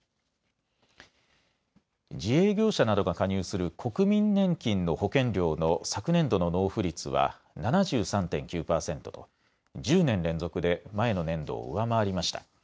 自営業者などが加入する国民年金の保険料の昨年度の納付率は７３．９％と１０年連続で前の年度を上回りました。